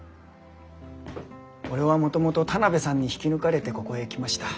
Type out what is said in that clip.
俺はもともと田邊さんに引き抜かれてここへ来ました。